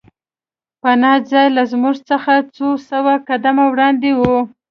پناه ځای له موږ څخه څو سوه قدمه وړاندې و